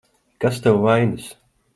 Kas tev vainas?